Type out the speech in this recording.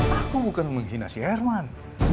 aku bukan menghina si herman